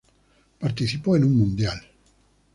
Participó en un Mundial.